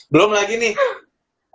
belum lagi nih